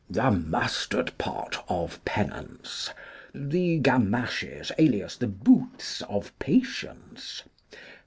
The Mustard pot of Penance. The Gamashes, alias the Boots of Patience.